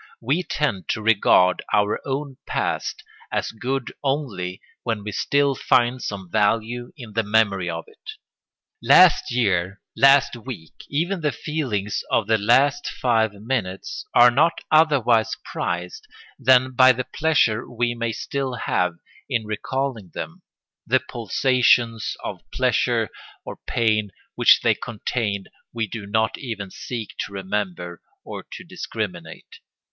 We tend to regard our own past as good only when we still find some value in the memory of it. Last year, last week, even the feelings of the last five minutes, are not otherwise prized than by the pleasure we may still have in recalling them; the pulsations of pleasure or pain which they contained we do not even seek to remember or to discriminate.